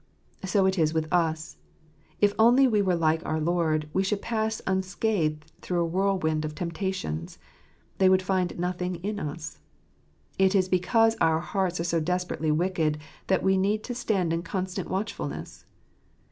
So it is with us ; if only we were like our Lord, we should pass unscathed through a whirl wind of temptations ; they would find nothing in us. It is because our hearts are so desperately wicked that we need to stand in constant watchfulness.